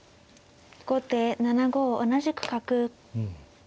後手７五同じく角。